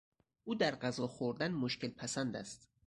او در غذا خوردن مشکلپسند است.